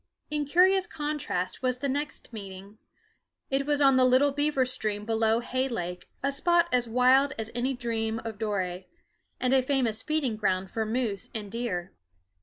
In curious contrast was the next meeting. It was on the little beaver stream below Hay Lake, a spot as wild as any dream of Doré, and a famous feeding ground for moose and deer.